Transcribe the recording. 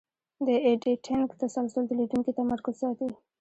د ایډیټینګ تسلسل د لیدونکي تمرکز ساتي.